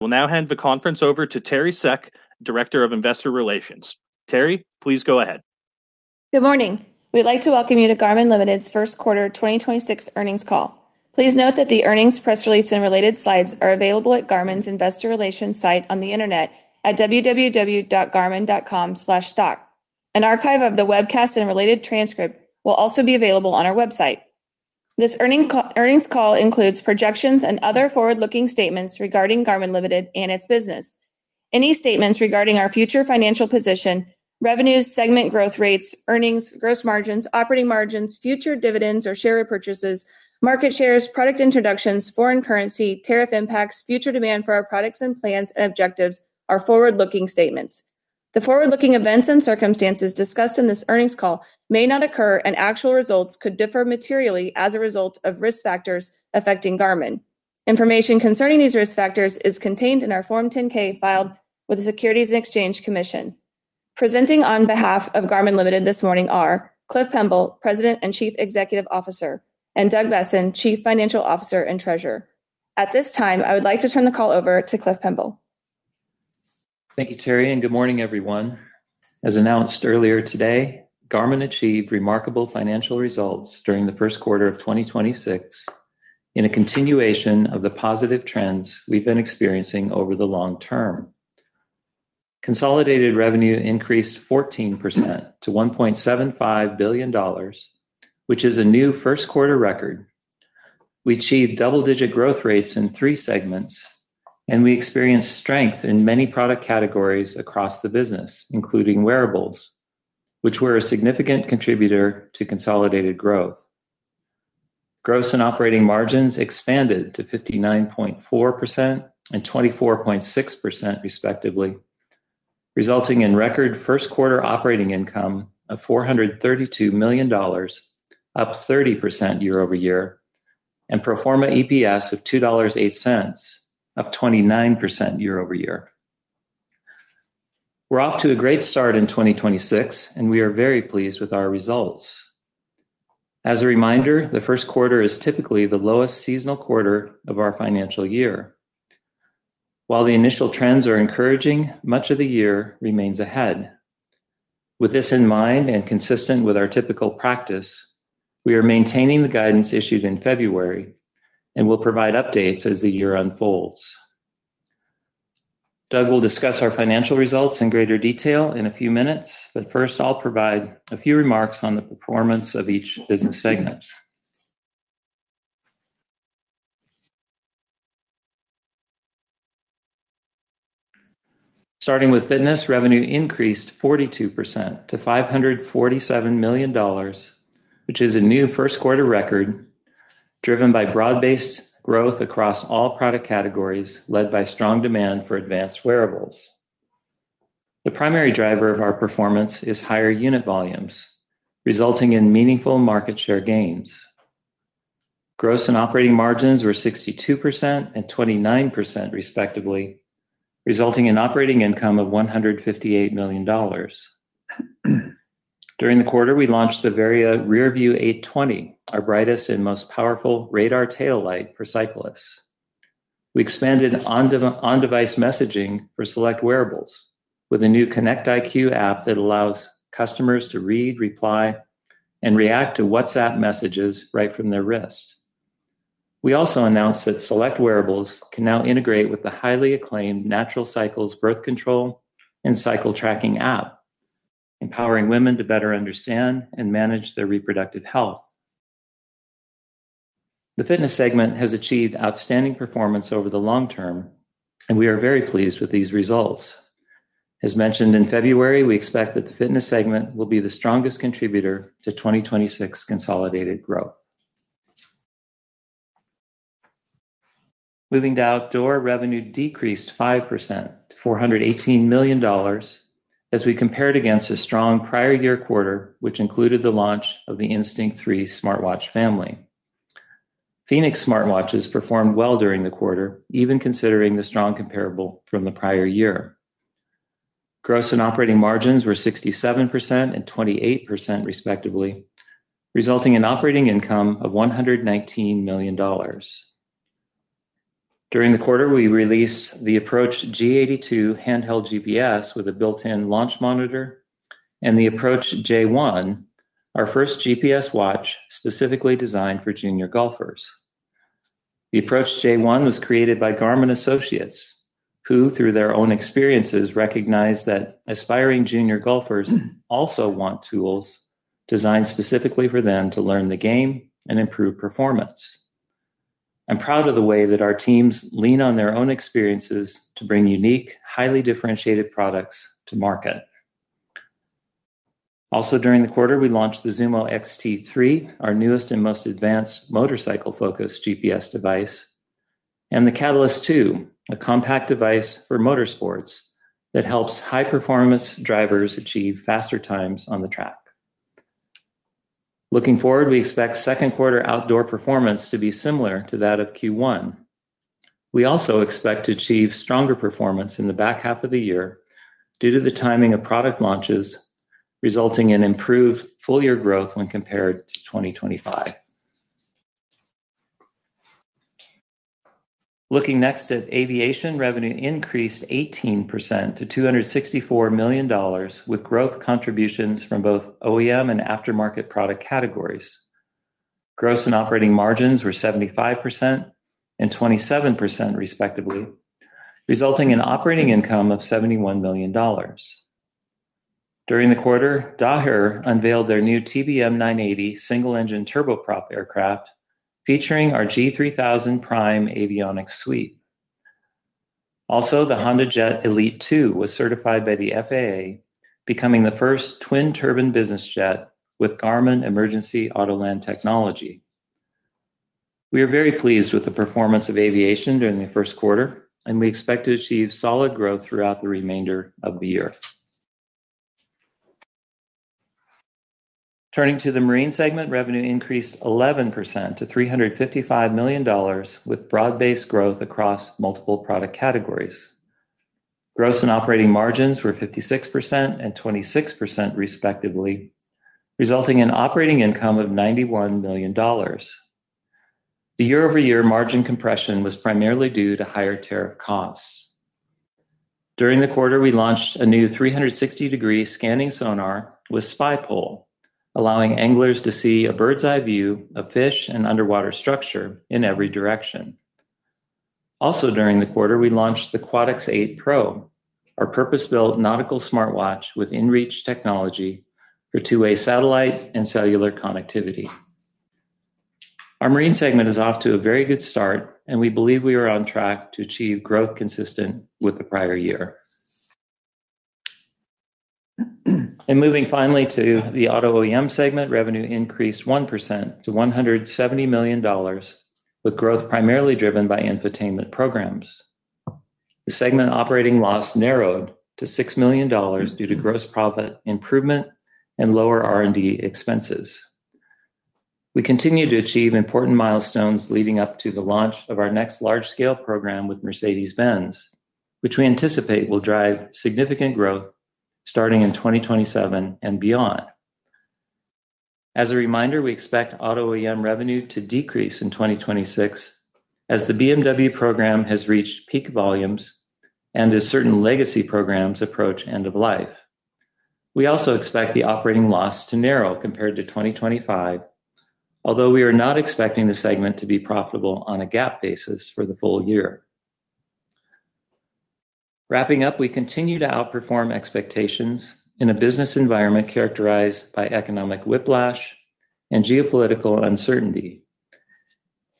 We'll now hand the conference over to Teri Seck, Director of Investor Relations. Teri, please go ahead. Good morning. We'd like to welcome you to Garmin Ltd.'s first quarter 2026 earnings call. Please note that the earnings press release and related slides are available at Garmin's investor relations site on the internet at www.garmin.com/stock. An archive of the webcast and related transcript will also be available on our website. This earnings call includes projections and other forward-looking statements regarding Garmin Ltd. and its business. Any statements regarding our future financial position, revenues, segment growth rates, earnings, gross margins, operating margins, future dividends or share repurchases, market shares, product introductions, foreign currency, tariff impacts, future demand for our products, and plans and objectives are forward-looking statements. The forward-looking events and circumstances discussed in this earnings call may not occur and actual results could differ materially as a result of risk factors affecting Garmin. Information concerning these risk factors is contained in our Form 10-K filed with the Securities and Exchange Commission. Presenting on behalf of Garmin Ltd. this morning are Cliff Pemble, President and Chief Executive Officer, and Doug Boessen, Chief Financial Officer and Treasurer. At this time, I would like to turn the call over to Cliff Pemble. Thank you, Teri, and good morning, everyone. As announced earlier today, Garmin achieved remarkable financial results during the first quarter of 2026 in a continuation of the positive trends we've been experiencing over the long term. Consolidated revenue increased 14% to $1.75 billion, which is a new first quarter record. We achieved double-digit growth rates in three segments, and we experienced strength in many product categories across the business, including wearables, which were a significant contributor to consolidated growth. Gross and operating margins expanded to 59.4% and 24.6% respectively, resulting in record first quarter operating income of $432 million, up 30% year-over-year, and pro forma EPS of $2.08, up 29% year-over-year. We're off to a great start in 2026, and we are very pleased with our results. As a reminder, the first quarter is typically the lowest seasonal quarter of our financial year. While the initial trends are encouraging, much of the year remains ahead. With this in mind and consistent with our typical practice, we are maintaining the guidance issued in February and will provide updates as the year unfolds. Doug will discuss our financial results in greater detail in a few minutes, but first, I'll provide a few remarks on the performance of each business segment. Starting with Fitness, revenue increased 42% to $547 million, which is a new first quarter record driven by broad-based growth across all product categories, led by strong demand for advanced wearables. The primary driver of our performance is higher unit volumes, resulting in meaningful market share gains. Gross and operating margins were 62% and 29% respectively, resulting in operating income of $158 million. During the quarter, we launched the Varia RearVue 820, our brightest and most powerful radar taillight for cyclists. We expanded on on-device messaging for select wearables with a new Connect IQ app that allows customers to read, reply, and react to WhatsApp messages right from their wrist. We also announced that select wearables can now integrate with the highly acclaimed Natural Cycles birth control and cycle tracking app, empowering women to better understand and manage their reproductive health. The Fitness segment has achieved outstanding performance over the long term, and we are very pleased with these results. As mentioned in February, we expect that the Fitness segment will be the strongest contributor to 2026 consolidated growth. Moving to outdoor, revenue decreased 5% to $418 million as we compared against a strong prior year quarter, which included the launch of the Instinct 3 smartwatch family. fēnix smartwatches performed well during the quarter, even considering the strong comparable from the prior year. Gross and operating margins were 67% and 28% respectively, resulting in operating income of $119 million. During the quarter, we released the Approach G82 handheld GPS with a built-in launch monitor and the Approach J1, our first GPS watch specifically designed for junior golfers. The Approach J1 was created by Garmin associates, who, through their own experiences, recognized that aspiring junior golfers also want tools designed specifically for them to learn the game and improve performance. I'm proud of the way that our teams lean on their own experiences to bring unique, highly differentiated products to market. Also during the quarter, we launched the zūmo XT3, our newest and most advanced motorcycle-focused GPS device, and the Catalyst 2, a compact device for motorsports that helps high-performance drivers achieve faster times on the track. Looking forward, we expect second quarter outdoor performance to be similar to that of Q1. We also expect to achieve stronger performance in the back half of the year due to the timing of product launches, resulting in improved full-year growth when compared to 2025. Looking next at aviation, revenue increased 18% to $264 million with growth contributions from both OEM and aftermarket product categories. Gross and operating margins were 75% and 27% respectively, resulting in operating income of $71 million. During the quarter, Daher unveiled their new TBM 980 single-engine turboprop aircraft, featuring our G3000 PRIME avionics suite. Also, the HondaJet Elite II was certified by the FAA, becoming the first twin-turbine business jet with Garmin Autoland technology. We are very pleased with the performance of aviation during the first quarter, and we expect to achieve solid growth throughout the remainder of the year. Turning to the Marine segment, revenue increased 11% to $355 million with broad-based growth across multiple product categories. Gross and operating margins were 56% and 26% respectively, resulting in operating income of $91 million. The year-over-year margin compression was primarily due to higher tariff costs. During the quarter, we launched a new 360 degree scanning sonar with Spy Pole, allowing anglers to see a bird's eye view of fish and underwater structure in every direction. Also, during the quarter, we launched the quatix 8 Pro, our purpose-built nautical smartwatch with inReach technology for two-way satellite and cellular connectivity. Our Marine segment is off to a very good start, and we believe we are on track to achieve growth consistent with the prior year. Moving finally to the Auto OEM segment, revenue increased 1% to $170 million, with growth primarily driven by infotainment programs. The segment operating loss narrowed to $6 million due to gross profit improvement and lower R&D expenses. We continue to achieve important milestones leading up to the launch of our next large-scale program with Mercedes-Benz, which we anticipate will drive significant growth starting in 2027 and beyond. As a reminder, we expect Auto OEM revenue to decrease in 2026 as the BMW program has reached peak volumes and as certain legacy programs approach end of life. We also expect the operating loss to narrow compared to 2025, although we are not expecting the segment to be profitable on a GAAP basis for the full year. Wrapping up, we continue to outperform expectations in a business environment characterized by economic whiplash and geopolitical uncertainty.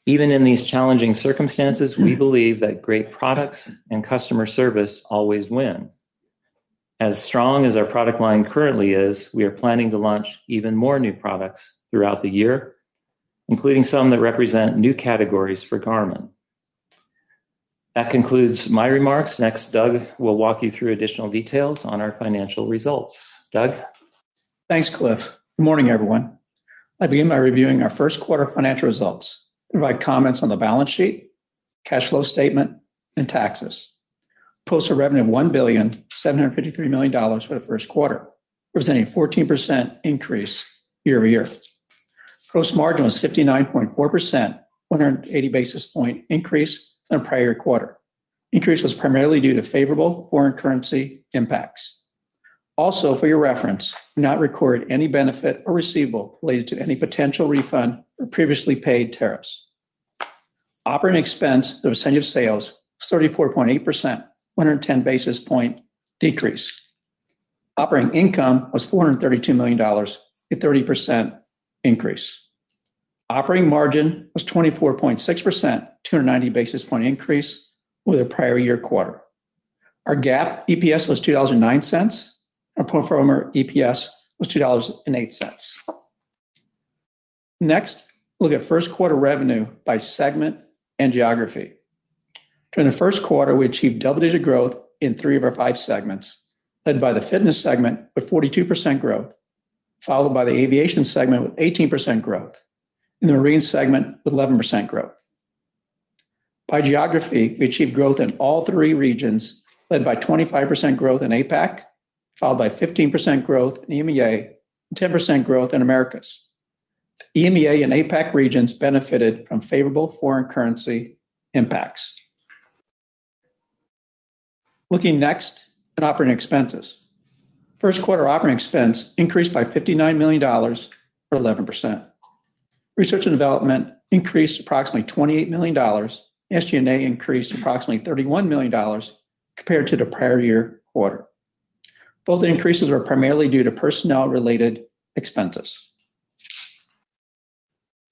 Even in these challenging circumstances, we believe that great products and customer service always win. As strong as our product line currently is, we are planning to launch even more new products throughout the year, including some that represent new categories for Garmin. That concludes my remarks. Next, Doug will walk you through additional details on our financial results. Doug? Thanks, Cliff. Good morning, everyone. I begin by reviewing our first quarter financial results, provide comments on the balance sheet, cash flow statement, and taxes. Posting revenue of $1.753 billion for the first quarter, representing 14% increase year-over-year. Gross margin was 59.4%, 180 basis point increase than prior quarter. Increase was primarily due to favorable foreign currency impacts. For your reference, we do not record any benefit or receivable related to any potential refund or previously paid tariffs. Operating expense of percentage of sales was 34.8%, 110 basis point decrease. Operating income was $432 million, a 30% increase. Operating margin was 24.6%, 290 basis point increase over the prior year quarter. Our GAAP EPS was $2.09. Our pro forma EPS was $2.08. Next, look at first quarter revenue by segment and geography. During the first quarter, we achieved double-digit growth in three of our five segments, led by the fitness segment with 42% growth, followed by the aviation segment with 18% growth, and the marine segment with 11% growth. By geography, we achieved growth in all three regions, led by 25% growth in APAC, followed by 15% growth in EMEA, and 10% growth in Americas. EMEA and APAC regions benefited from favorable foreign currency impacts. Looking next at operating expenses. First quarter operating expense increased by $59 million, or 11%. Research and development increased approximately $28 million. SG&A increased approximately $31 million compared to the prior year quarter. Both increases were primarily due to personnel-related expenses.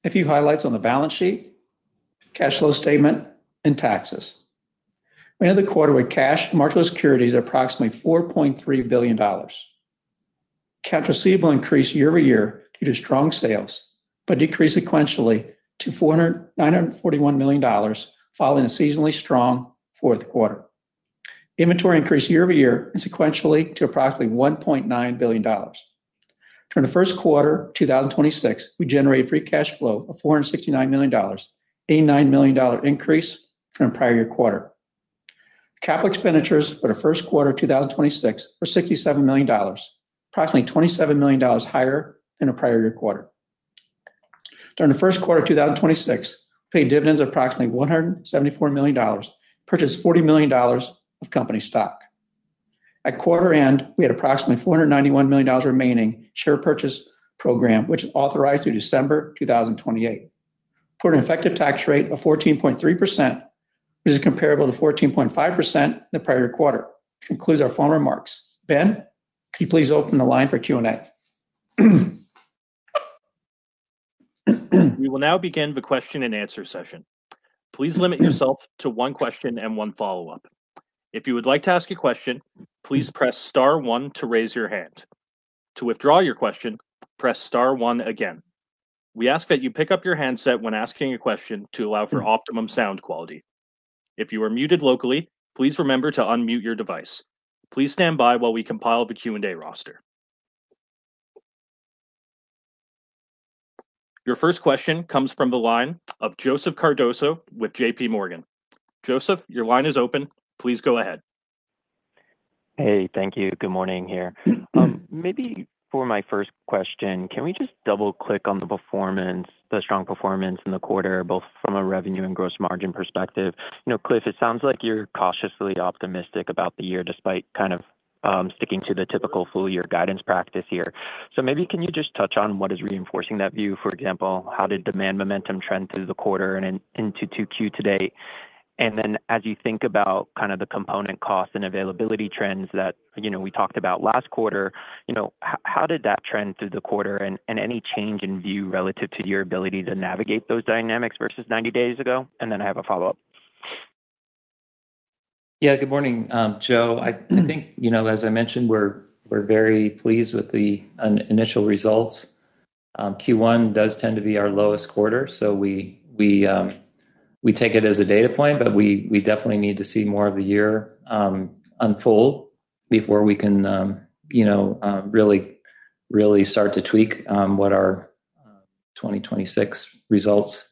A few highlights on the balance sheet, cash flow statement, and taxes. We end the quarter with cash and market securities approximately $4.3 billion. Account receivable increased year-over-year due to strong sales, but decreased sequentially to $941 million, following a seasonally strong fourth quarter. Inventory increased year-over-year and sequentially to approximately $1.9 billion. During the first quarter 2026, we generated free cash flow of $469 million, a $9 million increase from the prior year quarter. Capital expenditures for the first quarter 2026 were $67 million, approximately $27 million higher than the prior year quarter. During the first quarter 2026, paid dividends of approximately $174 million, purchased $40 million of company stock. At quarter end, we had approximately $491 million remaining share purchase program, which is authorized through December 2028, for an effective tax rate of 14.3%, which is comparable to 14.5% in the prior quarter. Concludes our formal remarks. Ben, can you please open the line for Q&A? We will now begin the question-and-answer session. Please limit yourself to one question and one follow-up. If you would like to ask a question, please press star one to raise your hand. To withdraw your question, press star one again. We ask that you pick up your handset when asking a question to allow for optimum sound quality. If you are muted locally, please remember to unmute your device. Please stand by while we compile the Q&A roster. Your first question comes from the line of Joseph Cardoso with JPMorgan. Joseph, your line is open. Please go ahead. Thank you. Good morning here. Maybe for my first question, can we just double-click on the performance, the strong performance in the quarter, both from a revenue and gross margin perspective? You know, Cliff, it sounds like you're cautiously optimistic about the year despite kind of sticking to the typical full-year guidance practice here. Maybe can you just touch on what is reinforcing that view? For example, how did demand momentum trend through the quarter and into 2Q today? Then as you think about kind of the component costs and availability trends that, you know, we talked about last quarter, you know, how did that trend through the quarter? And any change in view relative to your ability to navigate those dynamics versus 90 days ago? Then I have a follow-up. Good morning, Joseph. I think, you know, as I mentioned, we're very pleased with the initial results. Q1 does tend to be our lowest quarter, so we take it as a data point, but we definitely need to see more of the year unfold before we can, you know, really start to tweak what our 2026 results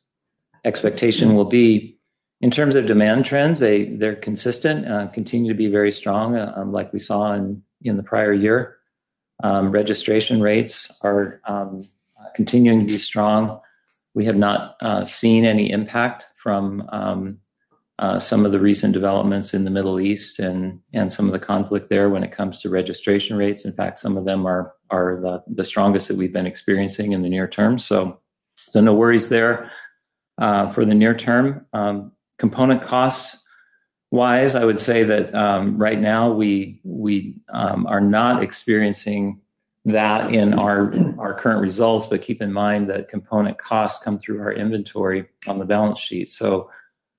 expectation will be. In terms of demand trends, they're consistent, continue to be very strong, like we saw in the prior year. Registration rates are continuing to be strong. We have not seen any impact from some of the recent developments in the Middle East and some of the conflict there when it comes to registration rates. In fact, some of them are the strongest that we've been experiencing in the near term. No worries there. For the near term, component costs-wise, I would say that right now we are not experiencing that in our current results. Keep in mind that component costs come through our inventory on the balance sheet.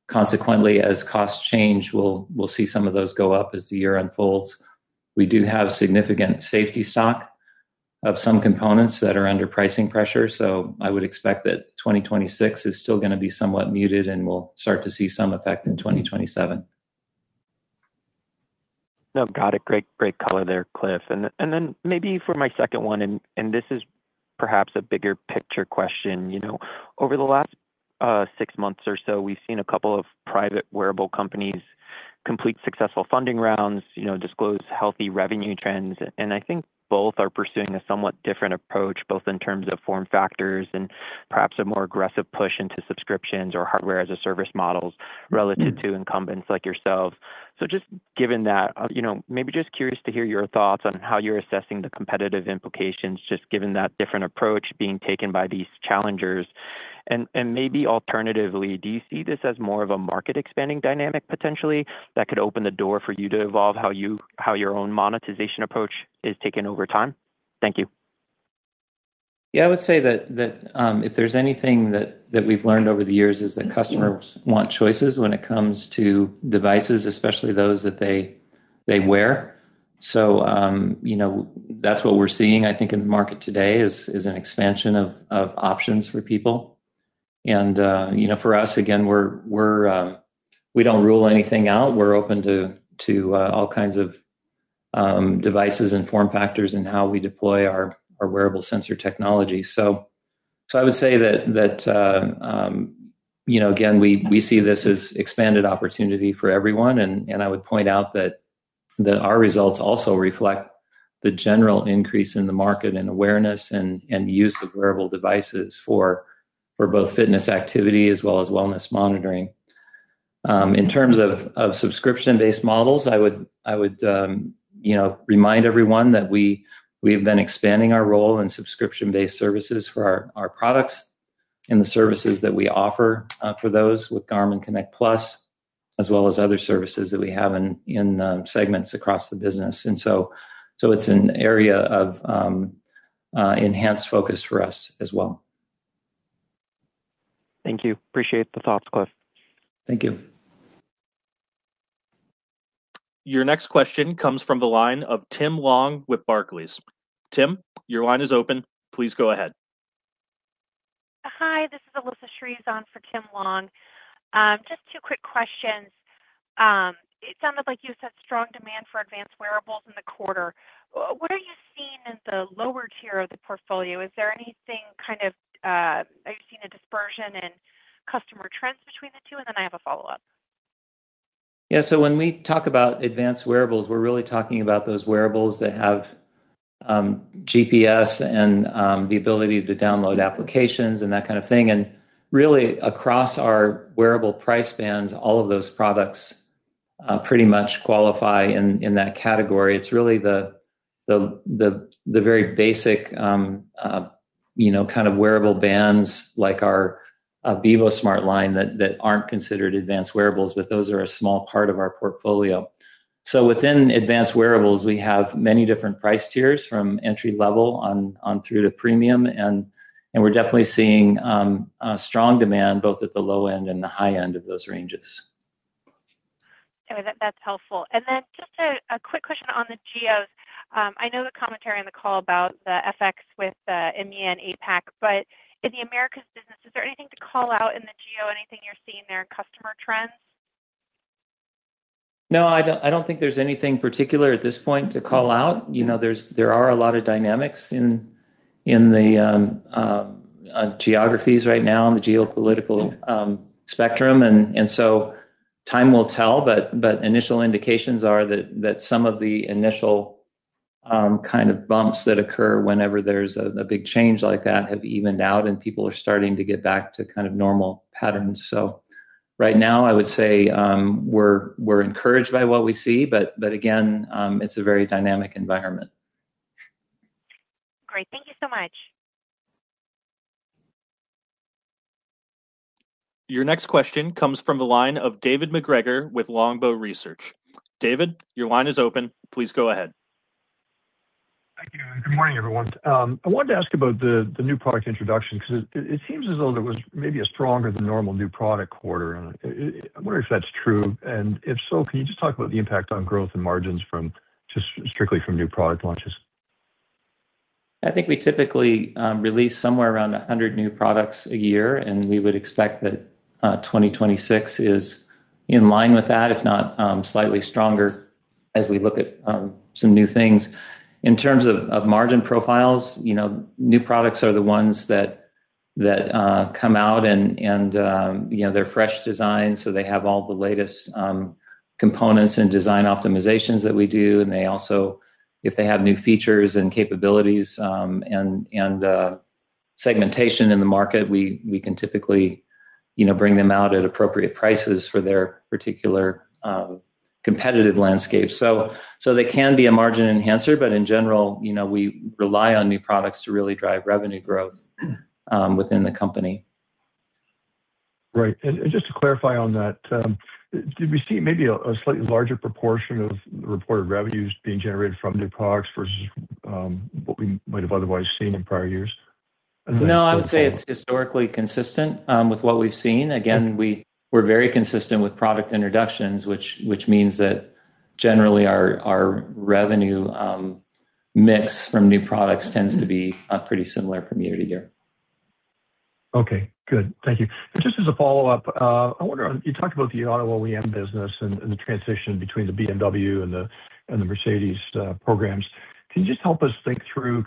Consequently, as costs change, we'll see some of those go up as the year unfolds. We do have significant safety stock of some components that are under pricing pressure. I would expect that 2026 is still gonna be somewhat muted, and we'll start to see some effect in 2027. No, got it. Great, great color there, Cliff. Then maybe for my second one, this is perhaps a bigger picture question. You know, over the last six months or so, we've seen a couple of private wearable companies complete successful funding rounds, you know, disclose healthy revenue trends. I think both are pursuing a somewhat different approach, both in terms of form factors and perhaps a more aggressive push into subscriptions or hardware as a service models relative to incumbents like yourselves. Just given that, you know, maybe just curious to hear your thoughts on how you're assessing the competitive implications, just given that different approach being taken by these challengers. Maybe alternatively, do you see this as more of a market expanding dynamic potentially that could open the door for you to evolve how your own monetization approach is taken over time? Thank you. Yeah, I would say that if there's anything that we've learned over the years is that customers want choices when it comes to devices, especially those that they wear. You know, that's what we're seeing, I think, in the market today is an expansion of options for people. You know, for us, again, we don't rule anything out. We're open to all kinds of devices and form factors in how we deploy our wearable sensor technology. I would say that, you know, again, we see this as expanded opportunity for everyone. I would point out that our results also reflect the general increase in the market and awareness and use of wearable devices for both fitness activity as well as wellness monitoring. In terms of subscription-based models, I would, you know, remind everyone that we've been expanding our role in subscription-based services for our products and the services that we offer for those with Garmin Connect Plus, as well as other services that we have in segments across the business. So it's an area of enhanced focus for us as well. Thank you. Appreciate the thoughts, Cliff. Thank you. Your next question comes from the line of Tim Long with Barclays. Tim, your line is open. Please go ahead. Hi, this is Alyssa Shreves on for Tim Long. Just two quick questions. It sounded like you said strong demand for advanced wearables in the quarter. What are you seeing in the lower tier of the portfolio? Is there anything kind of, are you seeing a dispersion in customer trends between the two? I have a follow-up. When we talk about advanced wearables, we're really talking about those wearables that have GPS and the ability to download applications and that kind of thing. Across our wearable price bands, all of those products pretty much qualify in that category. It's really the very basic, you know, kind of wearable bands like our Vivosmart line that aren't considered advanced wearables, but those are a small part of our portfolio. Within advanced wearables, we have many different price tiers from entry level on through to premium and we're definitely seeing strong demand both at the low end and the high end of those ranges. Okay. That's helpful. Just a quick question on the geos. I know the commentary on the call about the FX with India and APAC, but in the Americas business, is there anything to call out in the geo? Anything you're seeing there in customer trends? No, I don't think there's anything particular at this point to call out. You know, there are a lot of dynamics in the geographies right now and the geopolitical spectrum, and so time will tell. Initial indications are that some of the initial kind of bumps that occur whenever there's a big change like that have evened out, and people are starting to get back to kind of normal patterns. Right now, I would say, we're encouraged by what we see, but again, it's a very dynamic environment. Great. Thank you so much. Your next question comes from the line of David MacGregor with Longbow Research. David, your line is open. Please go ahead. Thank you, good morning, everyone. I wanted to ask about the new product introduction, 'cause it seems as though there was maybe a stronger than normal new product quarter, and I wonder if that's true. If so, can you just talk about the impact on growth and margins from just strictly from new product launches? I think we typically release somewhere around 100 new products a year, and we would expect that 2026 is in line with that, if not slightly stronger as we look at some new things. In terms of margin profiles, you know, new products are the ones that come out and, you know, they're fresh designs, so they have all the latest components and design optimizations that we do. They also, if they have new features and capabilities, and segmentation in the market, we can typically, you know, bring them out at appropriate prices for their particular competitive landscape. They can be a margin enhancer, but in general, you know, we rely on new products to really drive revenue growth within the company. Right. Just to clarify on that, did we see maybe a slightly larger proportion of reported revenues being generated from new products versus what we might have otherwise seen in prior years? No, I would say it's historically consistent with what we've seen. We're very consistent with product introductions, which means that generally our revenue mix from new products tends to be pretty similar from year to year. Okay. Good. Thank you. Just as a follow-up, I wonder, you talked about the Auto OEM business and the transition between the BMW and the Mercedes programs. Can you just help us think through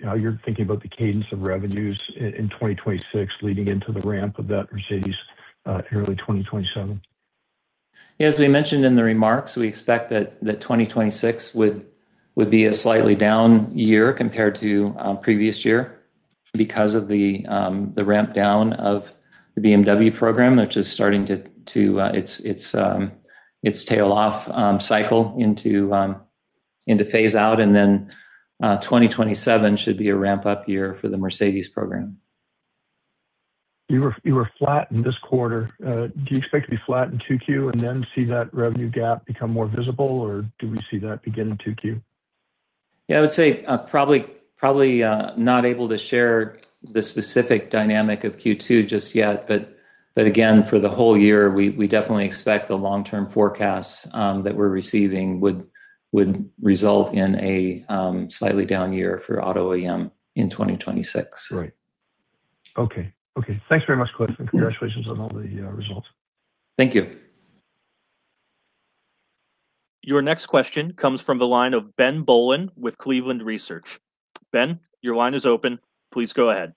how you're thinking about the cadence of revenues in 2026 leading into the ramp of that Mercedes in early 2027? As we mentioned in the remarks, we expect that 2026 would be a slightly down year compared to previous year because of the ramp down of the BMW program, which is starting to its tail off cycle into phase out. 2027 should be a ramp-up year for the Mercedes program. You were flat in this quarter. Do you expect to be flat in 2Q and then see that revenue gap become more visible, or do we see that begin in 2Q? Yeah, I would say, probably, not able to share the specific dynamic of Q2 just yet, but again, for the whole year, we definitely expect the long-term forecasts that we're receiving would result in a slightly down year for Auto OEM in 2026. Right. Okay. Okay. Thanks very much, Cliff. Congratulations on all the results. Thank you. Your next question comes from the line of Ben Bollin with Cleveland Research. Ben, your line is open. Please go ahead.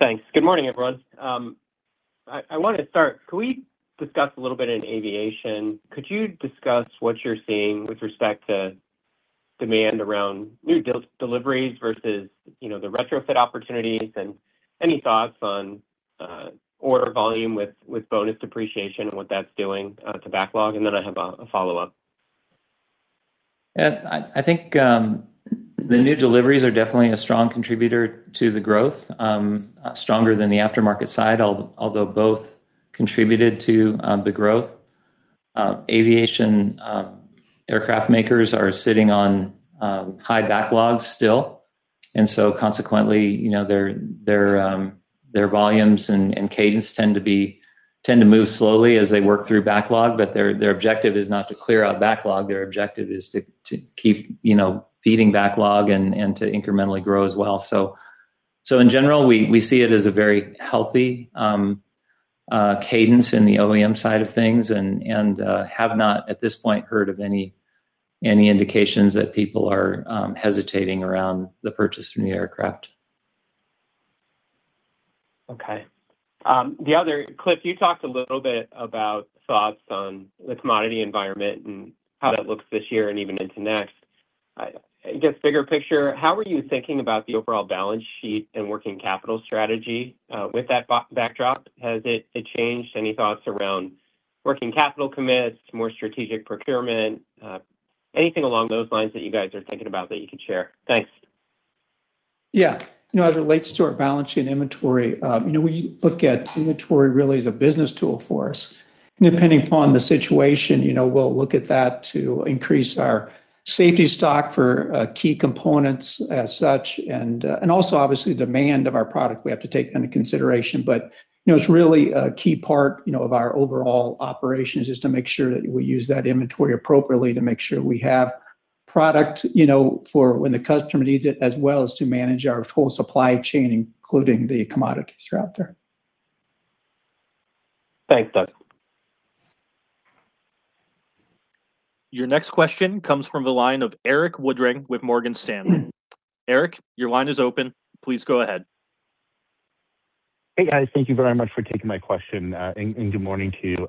Thanks. Good morning, everyone. I wanted to start, could we discuss a little bit in aviation, could you discuss what you're seeing with respect to demand around new deliveries versus, you know, the retrofit opportunities? Any thoughts on order volume with bonus depreciation and what that's doing to backlog? Then I have a follow-up. Yeah. I think the new deliveries are definitely a strong contributor to the growth, stronger than the aftermarket side, although both contributed to the growth. Aviation, aircraft makers are sitting on high backlogs still, consequently, you know, their volumes and cadence tend to move slowly as they work through backlog, but their objective is not to clear out backlog. Their objective is to keep, you know, feeding backlog and to incrementally grow as well. In general, we see it as a very healthy cadence in the OEM side of things and have not at this point heard of any indications that people are hesitating around the purchase of new aircraft. Okay. Cliff, you talked a little bit about thoughts on the commodity environment and how that looks this year and even into next. I guess, bigger picture, how are you thinking about the overall balance sheet and working capital strategy with that backdrop? Has it changed? Any thoughts around working capital commits, more strategic procurement? Anything along those lines that you guys are thinking about that you can share? Thanks. Yeah. You know, as it relates to our balance sheet and inventory, you know, we look at inventory really as a business tool for us. Depending upon the situation, you know, we'll look at that to increase our safety stock for key components as such, and also obviously demand of our product we have to take into consideration. You know, it's really a key part, you know, of our overall operations, just to make sure that we use that inventory appropriately to make sure we have product, you know, for when the customer needs it, as well as to manage our full supply chain, including the commodities that are out there. Thanks, Doug. Your next question comes from the line of Erik Woodring with Morgan Stanley. Erik, your line is open. Please go ahead. Hey, guys. Thank you very much for taking my question. And good morning to you.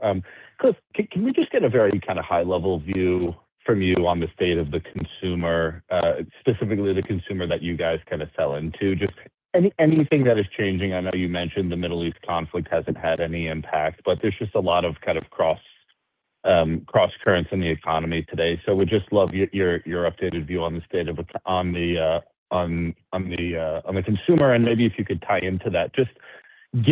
Cliff, can we just get a very kinda high level view from you on the state of the consumer, specifically the consumer that you guys kinda sell into? Just anything that is changing. I know you mentioned the Middle East conflict hasn't had any impact, but there's just a lot of kind of cross currents in the economy today. Would just love your, your updated view on the state of it, on the consumer. Maybe if you could tie into that, just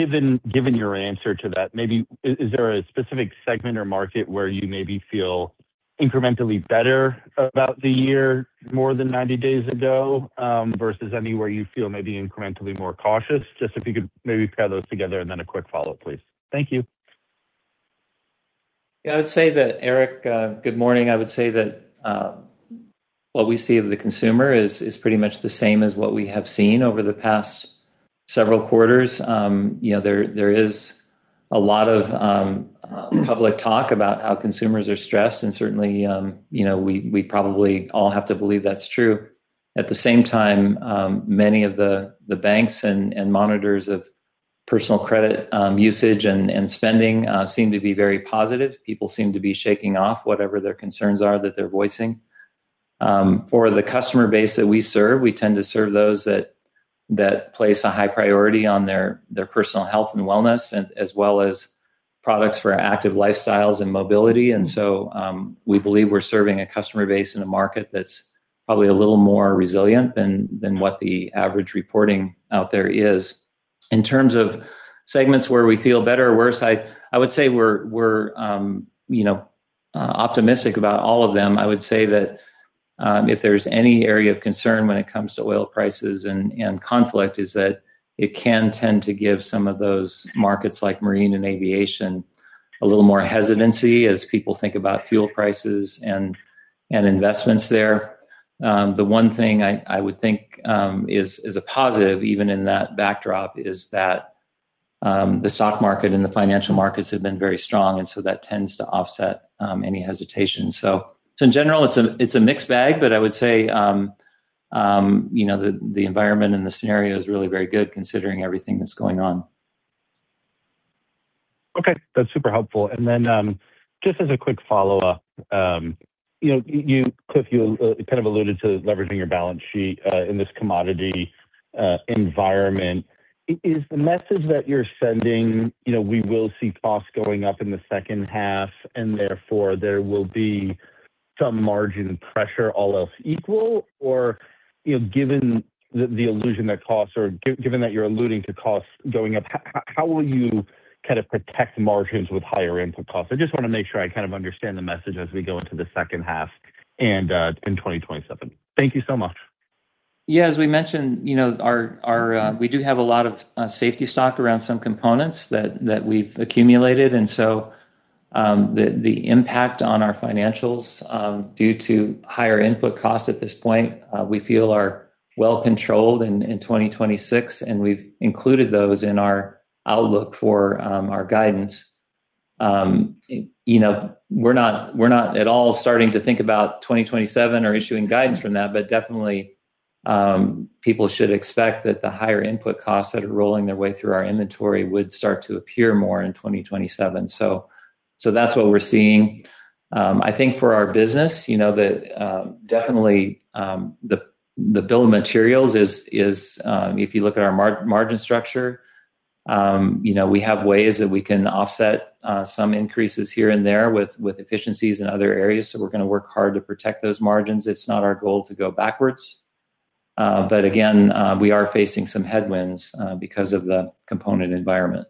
given your answer to that, maybe is there a specific segment or market where you maybe feel incrementally better about the year more than 90 days ago, versus anywhere you feel maybe incrementally more cautious? Just if you could maybe tie those together, then a quick follow-up, please. Thank you. Yeah, I would say that Erik, good morning. I would say that what we see of the consumer is pretty much the same as what we have seen over the past several quarters. You know, there is a lot of public talk about how consumers are stressed, and certainly, you know, we probably all have to believe that's true. At the same time, many of the banks and monitors of personal credit usage and spending seem to be very positive. People seem to be shaking off whatever their concerns are that they're voicing. For the customer base that we serve, we tend to serve those that place a high priority on their personal health and wellness, and as well as products for active lifestyles and mobility. We believe we're serving a customer base in a market that's probably a little more resilient than what the average reporting out there is. In terms of segments where we feel better or worse, I would say we're, you know, optimistic about all of them. I would say that if there's any area of concern when it comes to oil prices and conflict, is that it can tend to give some of those markets like marine and aviation a little more hesitancy as people think about fuel prices and investments there. The one thing I would think is a positive even in that backdrop is that the stock market and the financial markets have been very strong, and so that tends to offset any hesitation. In general, it's a mixed bag. I would say, you know, the environment and the scenario is really very good considering everything that's going on. Okay. That's super helpful. Just as a quick follow-up, you know, Cliff, you kind of alluded to leveraging your balance sheet in this commodity environment. Is the message that you're sending, you know, we will see costs going up in the second half, and therefore there will be some margin pressure all else equal? You know, given that you're alluding to costs going up, how will you kind of protect margins with higher input costs? I just wanna make sure I kind of understand the message as we go into the second half and in 2027. Thank you so much. Yeah, as we mentioned, you know, our, we do have a lot of safety stock around some components that we've accumulated. The impact on our financials due to higher input costs at this point, we feel are well controlled in 2026, and we've included those in our outlook for our guidance. You know, we're not at all starting to think about 2027 or issuing guidance from that. Definitely, people should expect that the higher input costs that are rolling their way through our inventory would start to appear more in 2027. That's what we're seeing. I think for our business, you know, the definitely, the bill of materials is, if you look at our margin structure, you know, we have ways that we can offset some increases here and there with efficiencies in other areas, so we're gonna work hard to protect those margins. It's not our goal to go backwards. Again, we are facing some headwinds because of the component environment.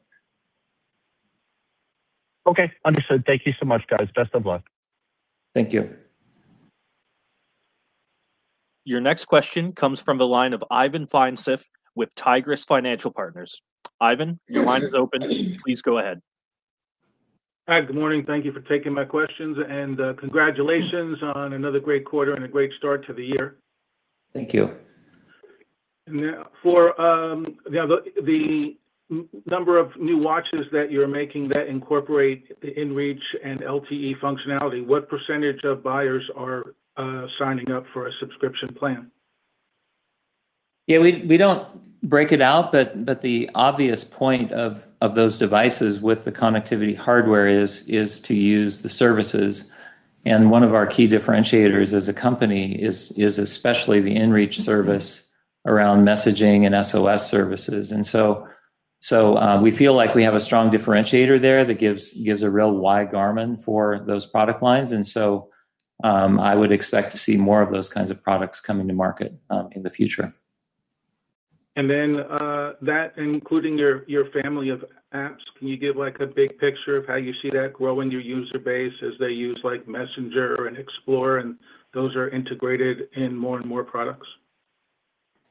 Okay. Understood. Thank you so much, guys. Best of luck. Thank you. Your next question comes from the line of Ivan Feinseth with Tigress Financial Partners. Ivan, your line is open. Please go ahead. Hi. Good morning. Thank you for taking my questions. Congratulations on another great quarter and a great start to the year. Thank you. For, you know, the number of new watches that you're making that incorporate the inReach and LTE functionality, what percentage of buyers are signing up for a subscription plan? Yeah, we don't break it out, but the obvious point of those devices with the connectivity hardware is to use the services. One of our key differentiators as a company is especially the inReach service around messaging and SOS services. We feel like we have a strong differentiator there that gives a real why Garmin for those product lines. I would expect to see more of those kinds of products coming to market in the future. That including your family of apps, can you give like a big picture of how you see that growing your user base as they use like Messenger and Explore, and those are integrated in more and more products?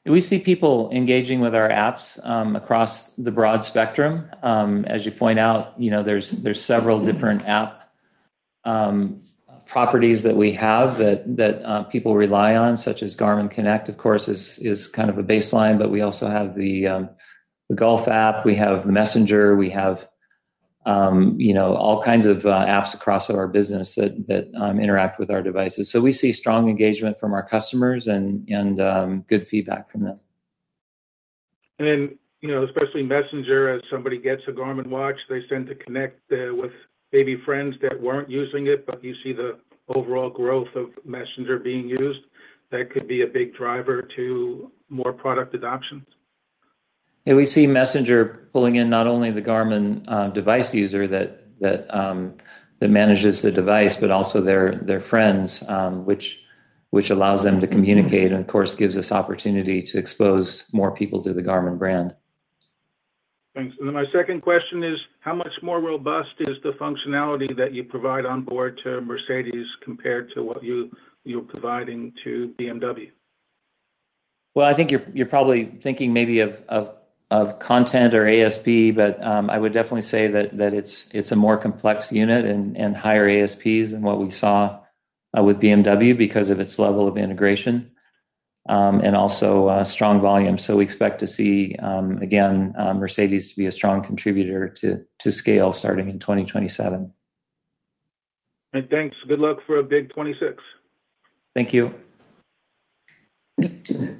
We see people engaging with our apps across the broad spectrum. As you point out, you know, there's several different app properties that we have that people rely on, such as Garmin Connect, of course, is kind of a baseline, but we also have the golf app, we have Messenger, we have, you know, all kinds of apps across our business that interact with our devices. We see strong engagement from our customers and good feedback from them. You know, especially Messenger, as somebody gets a Garmin watch, they tend to connect with maybe friends that weren't using it, but you see the overall growth of Messenger being used. That could be a big driver to more product adoptions. Yeah, we see Messenger pulling in not only the Garmin device user that manages the device, but also their friends, which allows them to communicate and, of course, gives us opportunity to expose more people to the Garmin brand. Thanks. My second question is, how much more robust is the functionality that you provide on board to Mercedes compared to what you're providing to BMW? Well, I think you're probably thinking maybe of content or ASP, but I would definitely say that it's a more complex unit and higher ASPs than what we saw with BMW because of its level of integration and also strong volume. We expect to see again Mercedes to be a strong contributor to scale starting in 2027. Thanks. Good luck for a big 2026. Thank you. Your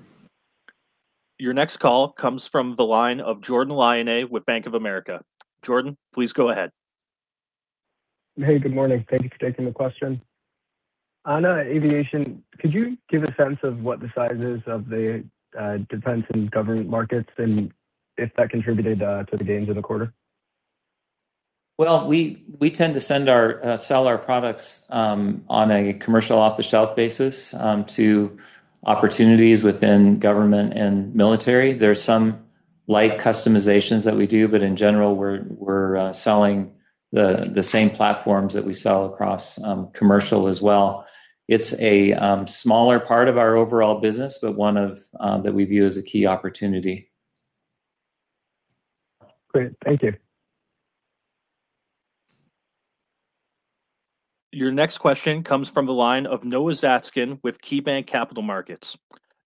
next call comes from the line of Jordan Lyonnais with Bank of America. Jordan, please go ahead. Hey, good morning. Thank you for taking the question. On aviation, could you give a sense of what the size is of the defense and government markets, and if that contributed to the gains in the quarter? We tend to sell our products on a commercial off-the-shelf basis to opportunities within government and military. There's some light customizations that we do, but in general, we're selling the same platforms that we sell across commercial as well. It's a smaller part of our overall business, but one of that we view as a key opportunity. Great. Thank you. Your next question comes from the line of Noah Zatzkin with KeyBanc Capital Markets.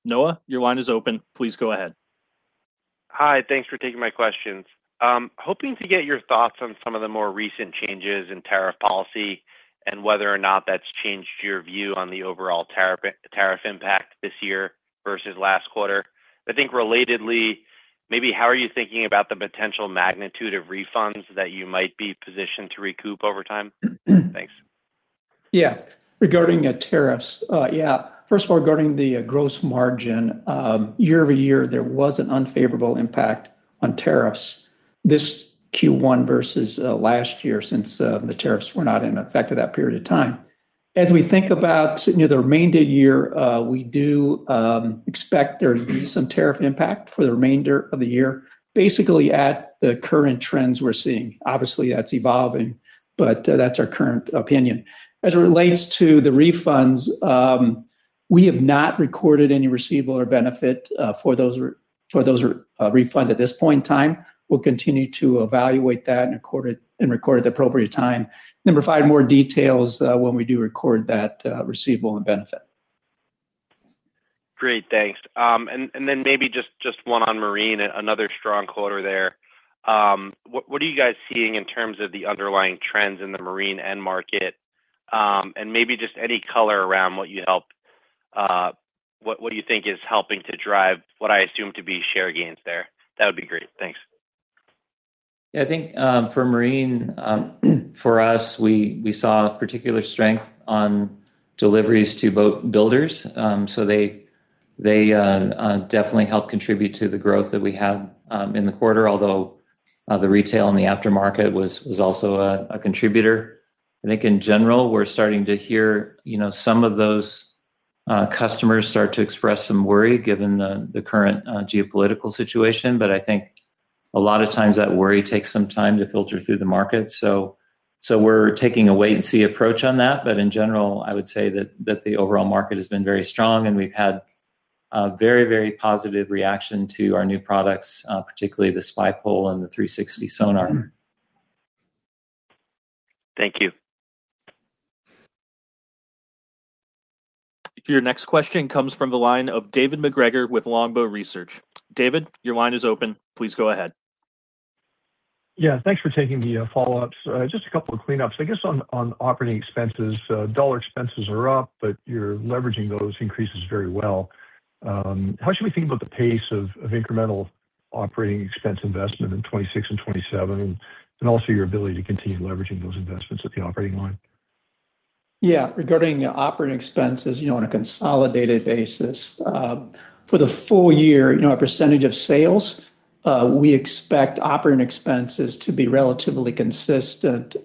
Noah, your line is open. Please go ahead. Hi. Thanks for taking my questions. Hoping to get your thoughts on some of the more recent changes in tariff policy and whether or not that's changed your view on the overall tariff impact this year versus last quarter. I think relatedly, maybe how are you thinking about the potential magnitude of refunds that you might be positioned to recoup over time? Thanks. Regarding tariffs, first of all, regarding the gross margin, year-over-year, there was an unfavorable impact on tariffs this Q1 versus last year since the tariffs were not in effect at that period of time. As we think about, you know, the remainder year, we do expect there to be some tariff impact for the remainder of the year, basically at the current trends we're seeing. Obviously, that's evolving, that's our current opinion. As it relates to the refunds, we have not recorded any receivable or benefit for those refund at this point in time. We'll continue to evaluate that and record at the appropriate time, and provide more details when we do record that receivable and benefit. Great. Thanks. Maybe just one on Marine, another strong quarter there. What are you guys seeing in terms of the underlying trends in the Marine end market? Maybe just any color around what you think is helping to drive what I assume to be share gains there. That would be great. I think for Marine, for us, we saw particular strength on deliveries to boat builders. They definitely helped contribute to the growth that we had in the quarter, although the retail and the aftermarket was also a contributor. I think in general, we're starting to hear, you know, some of those customers start to express some worry given the current geopolitical situation. I think a lot of times that worry takes some time to filter through the market. We're taking a wait and see approach on that. In general, I would say that the overall market has been very strong, and we've had a very positive reaction to our new products, particularly the Spy Pole and the 360 sonar. Thank you. Your next question comes from the line of David MacGregor with Longbow Research. David, your line is open. Please go ahead. Yeah. Thanks for taking the follow-ups. Just a couple of cleanups. I guess on operating expenses, dollar expenses are up, but you're leveraging those increases very well. How should we think about the pace of incremental operating expense investment in 26 and 27, and also your ability to continue leveraging those investments at the operating line? Yeah. Regarding operating expenses, you know, on a consolidated basis, for the full year, you know, our percentage of sales, we expect operating expenses to be relatively consistent,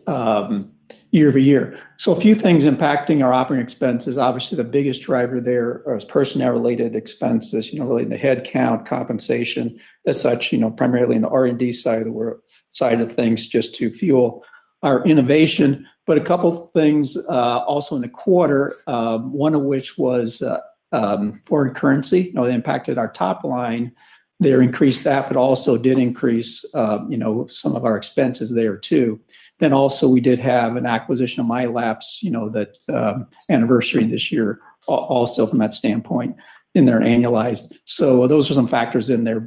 year-over-year. A few things impacting our operating expenses. Obviously, the biggest driver there is personnel-related expenses, you know, really in the head count compensation as such, you know, primarily in the R&D side of things just to fuel our innovation. A couple things also in the quarter, one of which was foreign currency. You know, it impacted our top line. They increased that, but also did increase, you know, some of our expenses there, too. Also we did have an acquisition of MYLAPS, you know, that anniversary this year, also from that standpoint in their annualized. Those are some factors in there.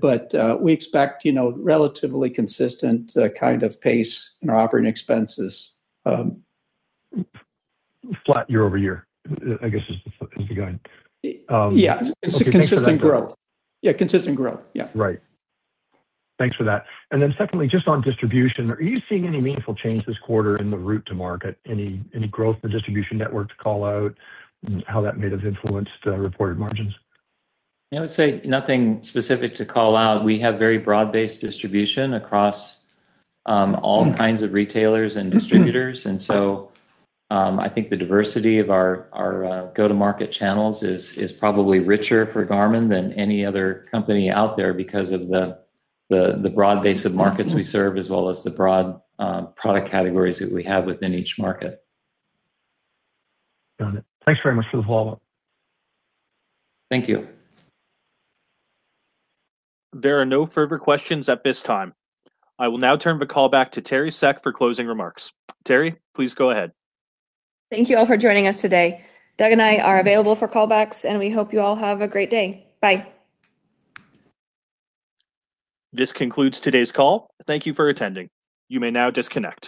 We expect, you know, relatively consistent, kind of pace in our operating expenses. Flat year-over-year, I guess is the way to go. Yeah. Okay. Consistent growth. Yeah, consistent growth. Yeah.Thanks for that. Right. Thanks for that. Secondly, just on distribution, are you seeing any meaningful change this quarter in the route to market? Any growth in the distribution network to call out, how that may have influenced reported margins? I would say nothing specific to call out. We have very broad-based distribution across all kinds of retailers and distributors. I think the diversity of our go-to-market channels is probably richer for Garmin than any other company out there because of the broad base of markets we serve, as well as the broad product categories that we have within each market. Got it. Thanks very much for the follow-up. Thank you. There are no further questions at this time. I will now turn the call back to Teri Seck for closing remarks. Teri, please go ahead. Thank you all for joining us today. Doug and I are available for callbacks. We hope you all have a great day. Bye. This concludes today's call. Thank you for attending. You may now disconnect.